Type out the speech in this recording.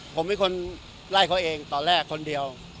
ผมเป็นคนไล่เขาเองตอนแรกคนเดียว